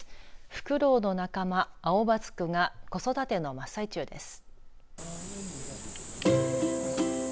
フクロウの仲間、アオバズクが子育ての真っ最中です。